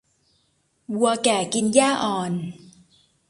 วัวแก่กินหญ้าอ่อน